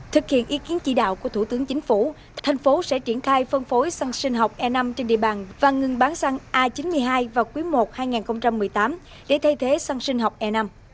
thực hiện ý kiến chỉ đạo của thủ tướng chính phủ thành phố sẽ triển khai phân phối săn sinh học e năm trên địa bàn và ngừng bán xăng a chín mươi hai vào quý i hai nghìn một mươi tám để thay thế xăng sinh học e năm